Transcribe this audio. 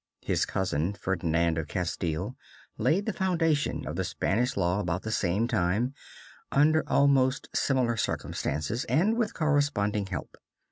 His cousin, Ferdinand of Castile, laid the foundation of the Spanish law about the same time under almost similar circumstances, and with corresponding help.